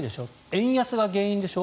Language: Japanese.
円安が原因でしょ。